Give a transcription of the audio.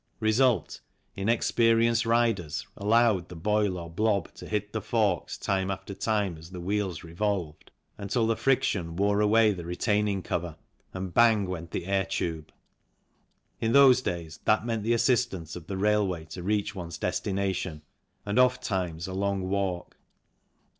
Result, inexperienced riden allowed the boil or blob to hit the forks time after time as the wheels revolved, until the friction wore THE PNEUMATIC AND OTHER TYRES 55 away the retaining cover and bang went the air tube. In those days that meant the assistance of the railway to reach one's destination and oft times a long walk.